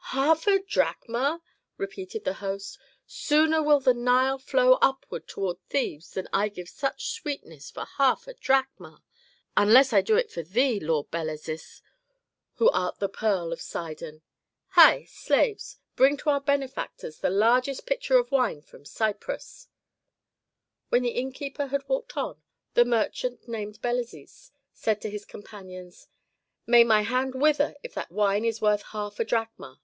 "Half a drachma!" repeated the host. "Sooner will the Nile flow upward toward Thebes than I give such sweetness for half a drachma, unless I do it for thee, Lord Belezis, who art the pearl of Sidon. Hei, slaves! bring to our benefactors the largest pitcher of wine from Cyprus." When the innkeeper had walked on, the merchant named Belezis said to his companions, "May my hand wither if that wine is worth half a drachma!